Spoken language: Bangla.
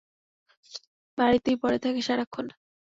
বাড়িতেই পড়ে থাকে সারাক্ষণ।